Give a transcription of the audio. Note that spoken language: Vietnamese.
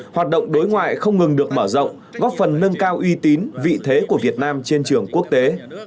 hoạt động đối ngoại không ngừng được mở rộng góp phần nâng cao uy tín vị thế của việt nam trên trường quốc tế